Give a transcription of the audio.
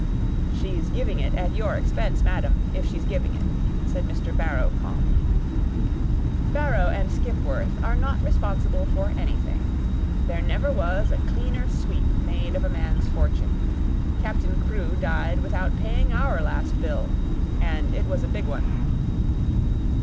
"She's giving it at your expense, madam, if she's giving it," said Mr. Barrow, calmly. "Barrow & Skipworth are not responsible for anything. There never was a cleaner sweep made of a man's fortune. Captain Crewe died without paying OUR last bill and it was a big one."